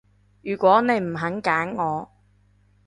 如果你唔肯揀我